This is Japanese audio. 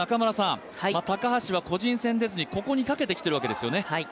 高橋は個人戦に出ずにここにかけてきているんですよね。